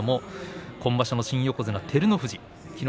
今場所の新横綱照ノ富士きのう